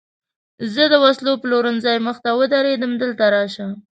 زه د وسلو پلورنځۍ مخې ته ودرېدم، دلته راشه.